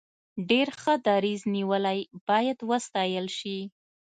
ډیر ښه دریځ نیولی باید وستایل شي.